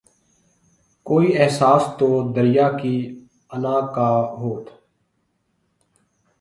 کوئی احساس تو دریا کی انا کا ہوت